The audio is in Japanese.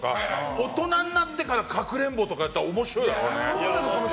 大人になってからかくれんぼとかやると面白いよね。